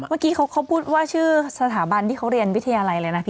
เมื่อกี้เขาพูดว่าชื่อสถาบันที่เขาเรียนวิทยาลัยเลยนะพี่